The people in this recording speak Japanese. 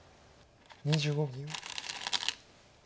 ２５秒。